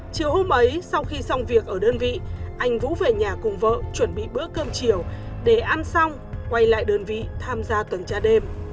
chiều hôm ấy sau khi xong việc ở đơn vị anh vũ về nhà cùng vợ chuẩn bị bữa cơm chiều để ăn xong quay lại đơn vị tham gia tuần tra đêm